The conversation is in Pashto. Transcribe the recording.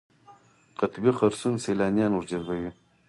قطبي خرسونه سیلانیان ورجذبوي.